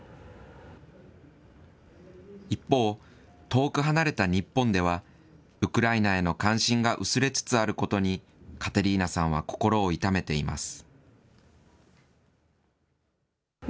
遠く離れた日本では、ウクライナへの関心が薄れつつあることに、カテリーナさんは心を痛めています。